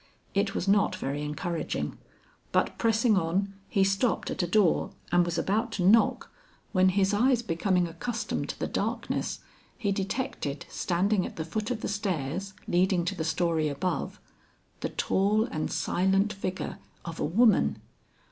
It was not very encouraging, but pressing on, he stopped at a door and was about to knock, when his eyes becoming accustomed to the darkness, he detected standing at the foot of the stairs leading to the story above, the tall and silent figure of a woman.